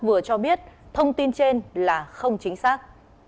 vừa cho biết thông tin trên là không chính xác